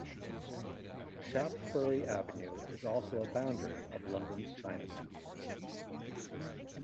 Shaftesbury Avenue is also a boundary of London's Chinatown.